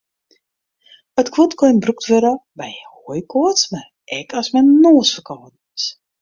It guod kin brûkt wurde by heakoarts mar ek as men noasferkâlden is.